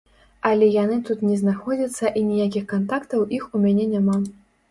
Але яны тут не знаходзяцца і ніякіх кантактаў іх у мяне няма.